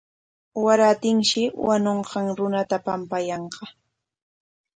Warantinshi wañunqan runata pampayanqa.